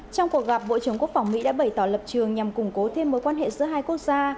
trong cuộc gặp bộ trưởng quốc phòng mỹ đã bày tỏ lập trường nhằm củng cố thêm mối quan hệ giữa hai quốc gia